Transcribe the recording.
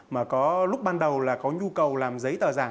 mà có lúc ban đầu là có nhu cầu làm giấy tờ giả